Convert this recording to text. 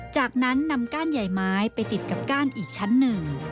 จากนั้นนำก้านใหญ่ไม้ไปติดกับก้านอีกชั้นหนึ่ง